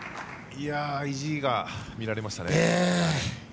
意地が見られましたね。